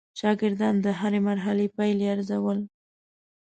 شاګردان د هره مرحله پایلې ارزول.